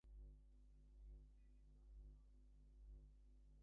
Audio warning devices are turned off once the vehicle is on-scene.